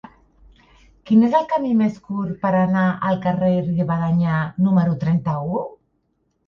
Quin és el camí més curt per anar al carrer de Rivadeneyra número trenta-u?